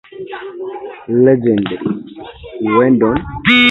The society's Publication Board publishes the scientific journal "Economic Geology".